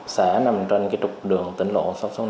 xã nằm trên trục đường tỉnh lộ sáu trăm sáu mươi